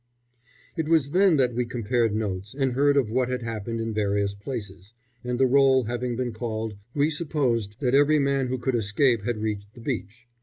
It was then that we compared notes and heard of what had happened in various places, and the roll having been called we supposed that every man who could escape had reached the beach.